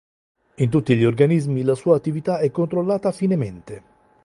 In tutti gli organismi la sua attività è controllata finemente.